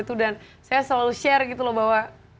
itu dan saya selalu share gitu loh bahwa